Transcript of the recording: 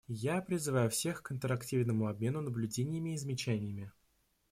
Я призываю всех к интерактивному обмену наблюдениями и замечаниями.